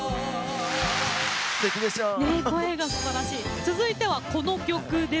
続いては、この曲です。